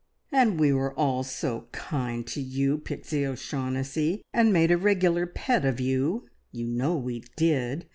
"And we were all so kind to you, Pixie O'Shaughnessy, and made a regular pet of you you know we did!